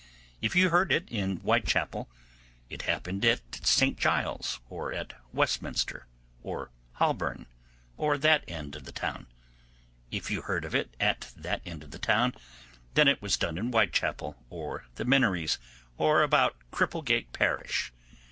If you heard it in Whitechappel, it had happened at St Giles's, or at Westminster, or Holborn, or that end of the town. If you heard of it at that end of the town, then it was done in Whitechappel, or the Minories, or about Cripplegate parish.